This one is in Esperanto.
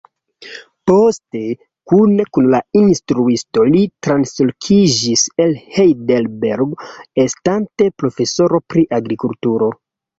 Poste kune kun la instituto li translokiĝis el Hejdelbergo estante profesoro pri agrikulturo.